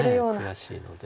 悔しいので。